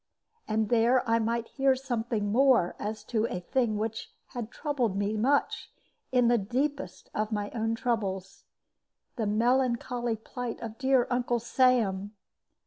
And there I might hear something more as to a thing which had troubled me much in the deepest of my own troubles the melancholy plight of dear Uncle Sam.